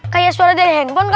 kayak suara dari handphone kan